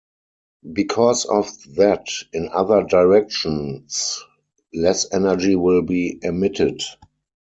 Because of that, in other directions less energy wil be emitted.